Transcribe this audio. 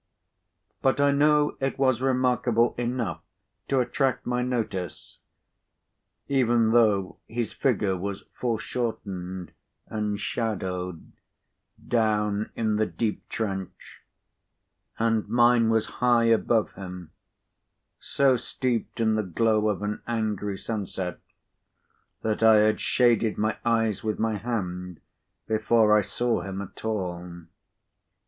But, I know it was remarkable enough to attract my notice, even though his figure was foreshortened and shadowed, down in the deep trench, and mine was high above him, so steeped in the glow of an angry sunset that I had shaded my eyes with my hand before I saw him at all.